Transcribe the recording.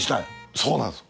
そうなんですよ。